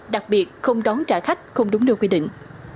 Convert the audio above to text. đặc biệt không đón trả khách không đúng nơi quy định